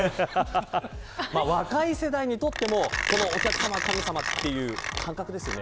若い世代にとってもお客さまは神様という感覚ですよね。